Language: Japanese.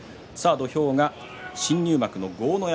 土俵が新入幕の豪ノ山